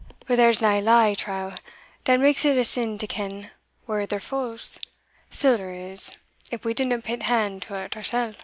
But there's nae law, I trow, that makes it a sin to ken where ither folles siller is, if we didna pit hand til't oursell?"